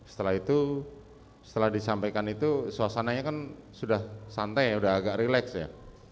setelah itu setelah disampaikan itu suasananya kan sudah santai sudah agak relax ya